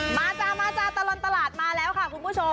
จ้ามาจ้าตลอดตลาดมาแล้วค่ะคุณผู้ชม